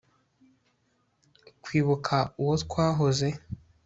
kwibuka uwo twahoze